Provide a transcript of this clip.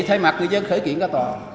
thay mặt người dân khởi kiện cả tòa